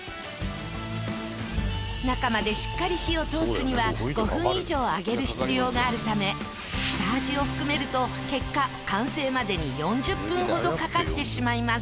中までしっかり火を通すには５分以上揚げる必要があるため下味を含めると結果完成までに４０分ほどかかってしまいます。